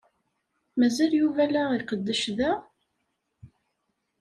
Mazal Yuba la iqeddec da?